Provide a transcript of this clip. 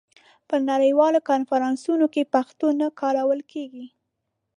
په نړیوالو کنفرانسونو کې پښتو نه کارول کېږي.